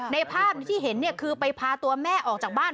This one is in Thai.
ในภาพที่เห็นคือไปพาตัวแม่ออกจากบ้าน